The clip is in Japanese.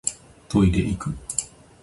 トイレいく